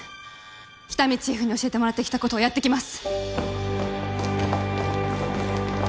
喜多見チーフに教えてもらってきたことをやってきます